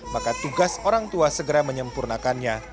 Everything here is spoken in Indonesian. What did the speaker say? maka tugas orang tua segera menyempurnakannya